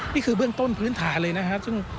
นี่คือเบื้องต้นพื้นฐานเลยนะครับ